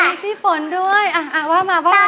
มีพี่ฝนด้วยอะว่าเมื่อไหร่ด้วย